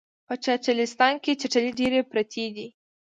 په چټلستان کې چټلۍ ډیرې پراتې دي